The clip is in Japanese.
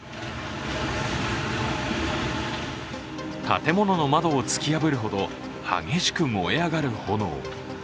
建物の窓を突き破るほど激しく燃え上がる炎。